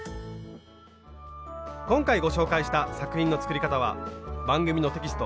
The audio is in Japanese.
今回ご紹介した作品の作り方は番組のテキスト